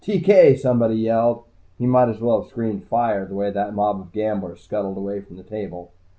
"TK!" somebody yelled. He might as well have screamed, "Fire!" the way that mob of gamblers scuttled away from the table.